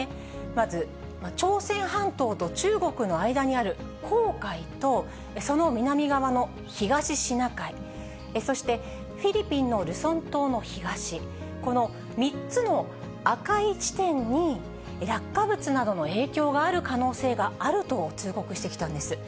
まず朝鮮半島と中国の間にある黄海と、その南側の東シナ海、そしてフィリピンのルソン島の東、この３つの赤い地点に、落下物などの影響がある可能性があると通告してきたんです。